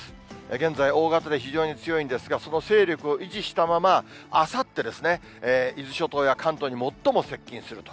現在、大型で非常に強いんですが、その勢力を維持したまま、あさってですね、伊豆諸島や関東に最も接近すると。